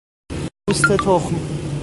پوست تخم